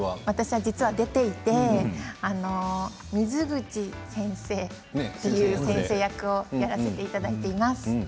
私は実は出ていて水口先生という先生役をやらせていただいています。